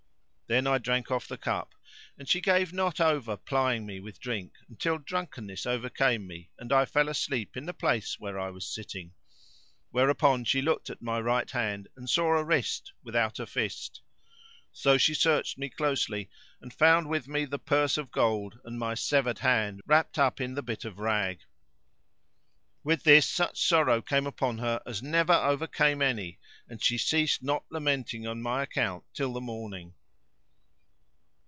Then I drank off the cup, and she gave not over plying me with drink until drunkenness overcame me and I fell asleep in the place where I was sitting; whereupon she looked at my right hand and saw a wrist without a fist. So she searched me closely and found with me the purse of gold and my severed hand wrapped up in the bit of rag.[FN#550] With this such sorrow came upon her as never overcame any and she ceased not lamenting on my account till the morning.